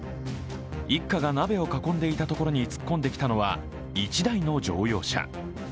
一家が鍋を囲んでいたところに突っ込んできたのは、１台の乗用車。